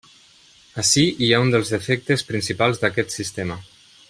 Ací hi ha un dels defectes principals d'aquest sistema.